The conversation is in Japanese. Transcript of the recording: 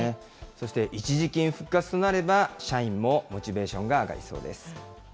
そして一時金復活となれば、社員もモチベーションが上がりそうです。